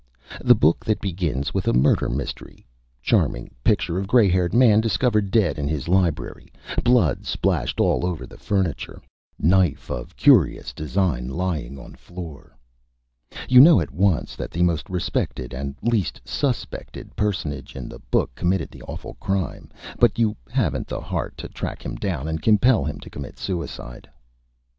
The Book that begins with a Murder Mystery charming Picture of Gray Haired Man discovered Dead in his Library Blood splashed all over the Furniture Knife of Curious Design lying on Floor. You know at once that the most Respected and least _sus_pected Personage in the Book committed the awful Crime, but you haven't the Heart to Track him down and compel him to commit Suicide.